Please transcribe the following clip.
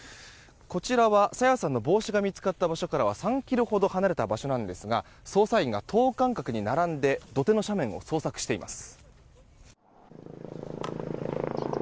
こちらは、朝芽さんの帽子が見つかった場所からは３ｋｍほど離れた場所なんですが捜査員が等間隔に並んで土手の斜面を捜索しています。